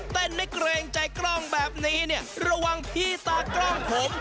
ไม่เกรงใจกล้องแบบนี้เนี่ยระวังพี่ตากล้องผม